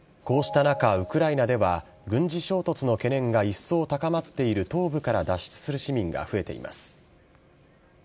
こうした中、ウクライナでは、軍事衝突の懸念が一層高まっている東部から脱出する市民が増えています。